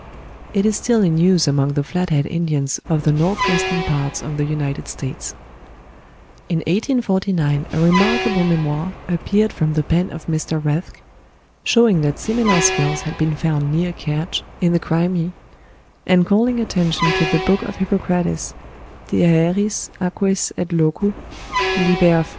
It is still in use among the Flat head Indians of the north western part of the United States. In 1849 a remarkable memoir appeared from the pen of M. Rathke, showing that similar skulls had been found near Kertsch, in the Crimea, and calling attention to the book of Hippocrates, "De Aeris, Aquis et Locu," lib. iv.